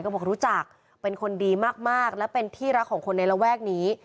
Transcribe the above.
ก็บอกรู้จักเป็นคนดีมากและเป็นที่รักของคนในระแวกนี้